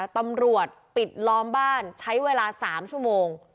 ตำรวจปิดล้อมบ้านใช้เวลา๓ชั่วโมง